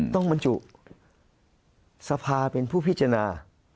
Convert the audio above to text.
ต้องมันจุศาพาเป็นผู้พิจารณา